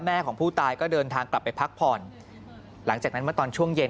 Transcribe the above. ของผู้ตายก็เดินทางกลับไปพักผ่อนหลังจากนั้นเมื่อตอนช่วงเย็น